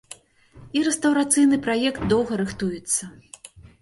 І рэстаўрацыйны праект доўга рыхтуецца.